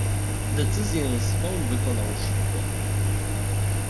"Decyzję swą wykonał szybko."